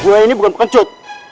gue ini bukan pengencut